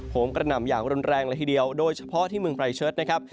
มกระหน่ำอย่างรุนแรงเลยทีเดียวโดยเฉพาะที่เมืองไรเชิดนะครับ